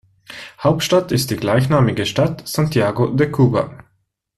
Hauptstadt ist die gleichnamige Stadt Santiago de Cuba.